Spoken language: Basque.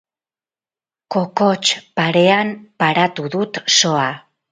Kokots parean paratu dut soa.